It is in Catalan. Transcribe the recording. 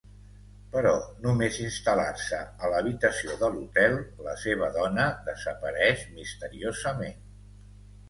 Però, només instal·lar-se a l'habitació de l'hotel, la seva dona desapareix misteriosament.